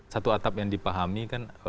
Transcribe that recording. satu atap yang dipahami kan